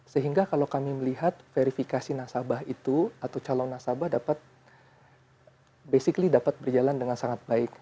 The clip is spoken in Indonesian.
sehingga kalau kami melihat verifikasi nasabah itu atau calon nasabah dapat basically dapat berjalan dengan sangat baik